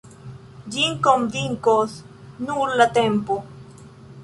Ĝin konvinkos nur la tempo.